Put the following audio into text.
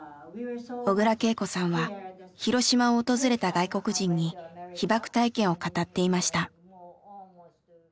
小倉桂子さんは広島を訪れた外国人に被爆体験を語っていました。